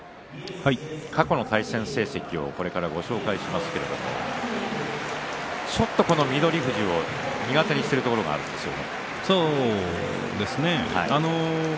過去の対戦成績をこれからご紹介しますけれどちょっと翠富士も苦手にしているところがそうですね。